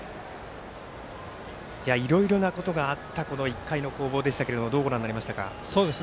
いろいろなことがあった１回の攻防でしたけどどうご覧になりましたか。